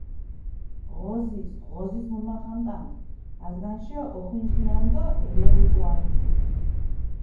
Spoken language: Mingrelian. ღოზის, ღოზის მუნმახანტანდჷ, ართგანიშე ოხვინჯგინანდჷ დო ელეღვიტუანდჷ.